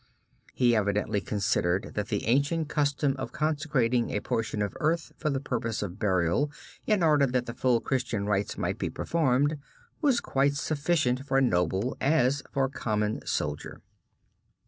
He evidently considered that the ancient custom of consecrating a portion of earth for the purpose of burial in order that the full Christian rites might be performed, was quite sufficient for noble as for common soldier.